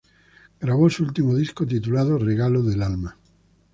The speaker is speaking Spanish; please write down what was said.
Grabó su último disco, titulado "Regalo del Alma".